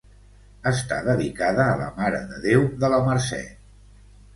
Està dedicada a la Mare de Déu de la Mercè.